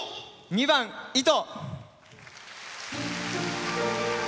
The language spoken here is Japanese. ２番「糸」。